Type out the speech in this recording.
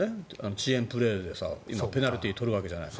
遅延プレーで今、ペナルティーを取るわけじゃない。